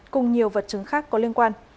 cùng nhiều vật chứng khác có liên quan